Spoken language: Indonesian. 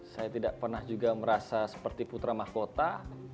saya tidak pernah juga merasa seperti putra mahkota